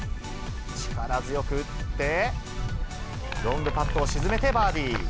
力強く打って、ロングパットを沈めてバーディー。